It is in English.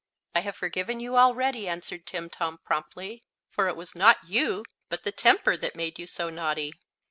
"I have forgiven you already," answered Timtom, promptly; "for it was not you, but the temper, that made you so naughty."